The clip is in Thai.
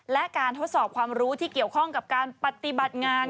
และการทดสอบความรู้ที่เกี่ยวข้องกับการปฏิบัติงาน